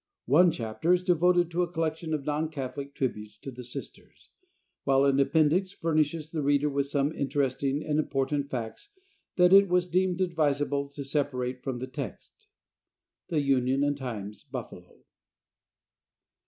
One chapter is devoted to a collection of non Catholic tributes to the Sisters; while an appendix furnishes the reader with some interesting and important facts that it was deemed advisable to separate from the text. The Union and Times, Buffalo.